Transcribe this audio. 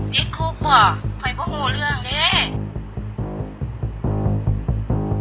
ติดคุกเหรอใครพวกโง่เรื่องเนี่ย